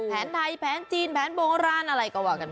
แผนไทยแผนจีนแผนโบราณอะไรก็ว่ากันไป